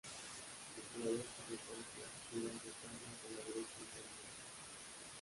El jugador que reparte irá rotando hacia la derecha en cada mano.